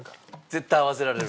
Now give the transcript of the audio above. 絶対合わせられる？